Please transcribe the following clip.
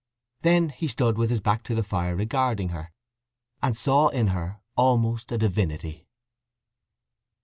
Then he stood with his back to the fire regarding her, and saw in her almost a divinity.